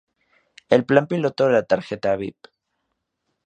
El plan piloto de la Tarjeta bip!